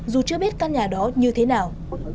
dù chưa biết căn nhà đó như thế nào